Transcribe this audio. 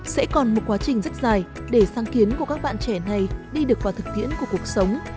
sẽ còn một quá trình rất dài để sáng kiến của các bạn trẻ này đi được vào thực tiễn của cuộc sống